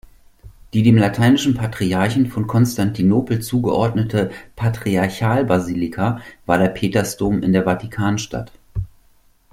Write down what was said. Die dem Lateinischen Patriarchen von Konstantinopel zugeordnete Patriarchalbasilika war der Petersdom in der Vatikanstadt.